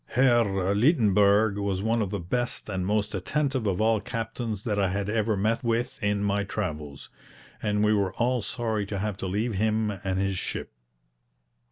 Herr Leitenberg was one of the best and most attentive of all captains that I had ever met with in my travels, and we were all sorry to have to leave him and his ship.